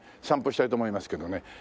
散歩したいと思いますけどね。